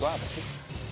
lo jadwal apa sih